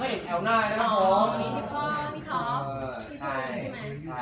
เอ่อนะครับ